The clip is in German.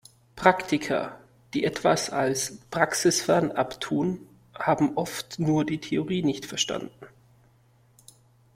Praktiker, die etwas als praxisfern abtun, haben oft nur die Theorie nicht verstanden.